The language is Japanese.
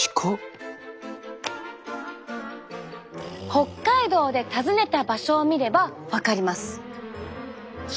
北海道で訪ねた場所を見れば分かります。